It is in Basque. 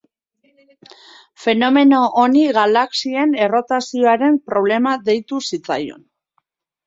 Fenomeno honi galaxien errotazioaren problema deitu zitzaion.